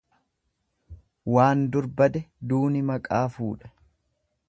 Waan dur bade duuni maqaa fuudhe.